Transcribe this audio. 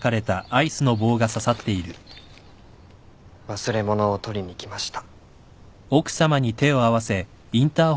忘れ物を取りに来ました。